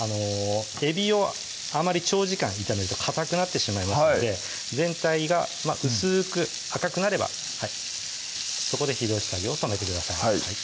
えびをあまり長時間炒めるとかたくなってしまいますので全体が薄く赤くなればそこで火通し作業を止めてください